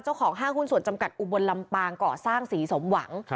เจ้าของห้างคุณสวนจำกัดอุบลลำปางเกาะสร้างศรีสมหวัง